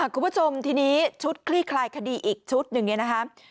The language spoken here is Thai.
คุณผู้ชมทีนี้ชุดคลี่คลายคดีอีกชุดอย่างนี้นะครับ